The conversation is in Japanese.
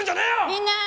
みんな！